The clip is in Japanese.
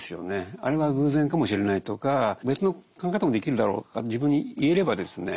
あれは偶然かもしれないとか別の考え方もできるだろうとか自分に言えればですね